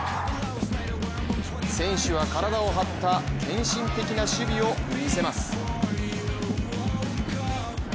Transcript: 選手は体を張った献身的な守備を見せます。